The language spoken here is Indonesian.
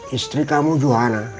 istri kamu johana